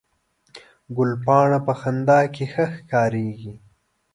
ګلپاڼه په خندا کې ښه ښکارېږي